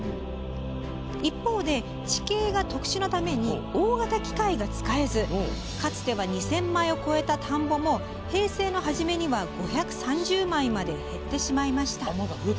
一方で地形が特殊なために大型機械が使えずかつては２０００枚を超えた田んぼも平成の初めには５３０枚まで減ってしまいました。